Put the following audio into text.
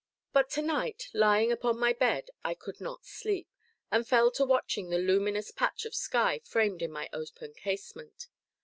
But to night, lying upon my bed, I could not sleep, and fell to watching the luminous patch of sky framed in my open casement.